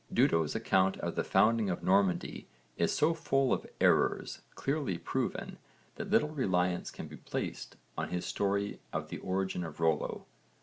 Dudo's account of the founding of Normandy is so full of errors clearly proven that little reliance can be placed on his story of the origin of Rollo.